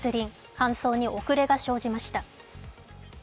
搬送に遅れが生じました。